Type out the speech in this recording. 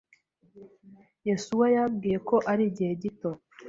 Yesuwa yambwiye ko arigihe gito.